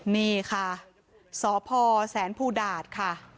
นี่ค่ะสพแสนภูดาตค่ะ